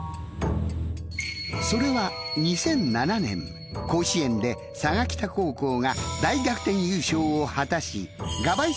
それは甲子園で佐賀北高校が大逆転優勝を果たしがばい